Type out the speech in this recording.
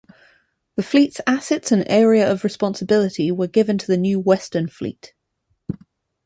The Fleet's assets and area of responsibility were given to the new Western Fleet.